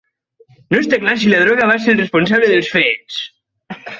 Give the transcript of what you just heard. No està clar si la droga va ser el responsable dels fets.